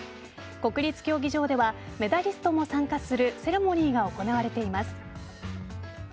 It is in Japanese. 国立競技場ではメダリストも参加するセレモニーが行われています。